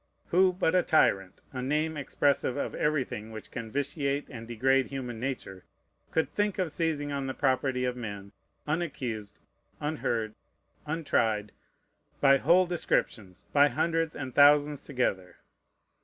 Who but a tyrant (a name expressive of everything which can vitiate and degrade human nature) could think of seizing on the property of men, unaccused, unheard, untried, by whole descriptions, by hundreds and thousands together?